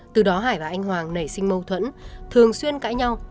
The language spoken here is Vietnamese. từ đó hải và anh hoàng nảy sinh mâu thuẫn thường xuyên cãi nhau